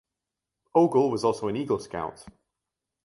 Ogle was also an Eagle Scout.